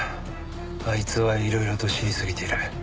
あいつはいろいろと知りすぎている。